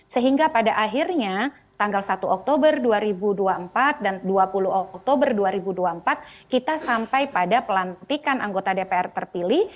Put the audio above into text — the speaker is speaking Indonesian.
sehingga pada akhirnya tanggal satu oktober dua ribu dua puluh empat dan dua puluh oktober dua ribu dua puluh empat kita sampai pada pelantikan anggota dpr terpilih